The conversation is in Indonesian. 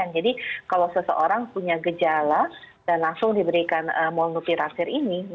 jadi kalau seseorang punya gejala dan langsung diberikan molnupiravir ini